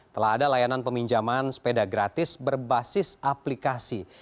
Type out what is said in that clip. telah ada layanan peminjaman sepeda gratis berbasis aplikasi